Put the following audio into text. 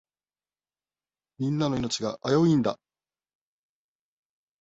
みんなの命が危ういんだ。